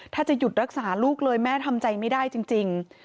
ถ้าจะหยุดรักษาลูกเลยแม่ทำใจไม่ได้จริง